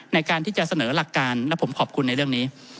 ในการที่จะเสนอหลักการและผมขอบคุณในเรื่องนี้